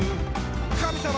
「神様！」